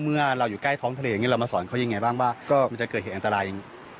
เมื่อเราอยู่ใกล้ท้องทะเลอย่างนี้เรามาสอนเขายังไงบ้างว่าก็มันจะเกิดเหตุอันตราย